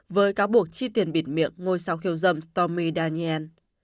với cáo buộc chi tiền bịt miệng ngôi sao khiêu dâm tommy daniel